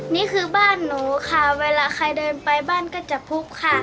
นี่คือบ้านหนูค่ะเวลาใครเดินไปบ้านก็จะพุบค่ะ